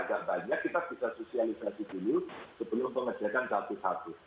kita bisa sosialisasi dulu sebelum mengerjakan satu satu